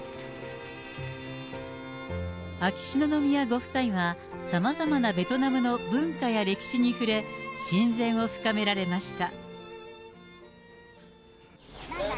秋篠宮ご夫妻はさまざまなベトナムの文化や歴史に触れ、親善を深められました。